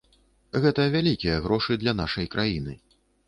Гэта вялікія грошы для нашай краіны.